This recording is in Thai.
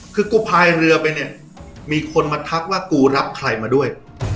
คือกูพายเรือไปเนี่ยมีคนมาทักว่ากูรับใครมาด้วย